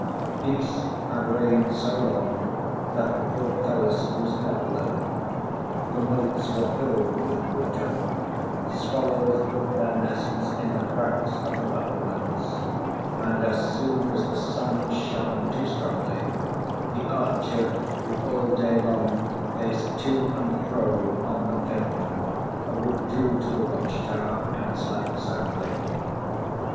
Peace had reigned so long that the portcullis was never lowered; the moats were filled with water; swallows built their nests in the cracks of the battlements, and as soon as the sun shone too strongly, the archer who all day long paced to and fro on the curtain, withdrew to the watch tower and slept soundly.